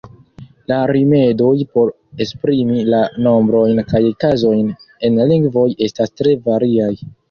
La rimedoj por esprimi la nombrojn kaj kazojn en lingvoj estas tre variaj.